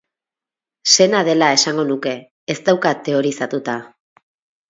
Sena dela esango nuke, ez daukat teorizatuta.